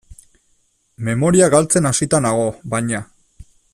Memoria galtzen hasita nago, baina.